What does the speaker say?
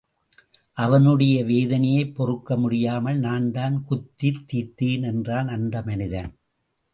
அவனுடைய வேதனையைப் பொறுக்க முடியாமல் நான்தான் குத்தித் தீர்த்தேன் என்றான் அந்த மனிதன்.